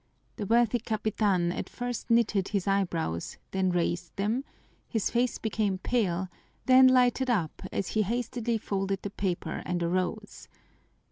The worthy capitan at first knitted his eyebrows, then raised them; his face became pale, then lighted up as he hastily folded the paper and arose.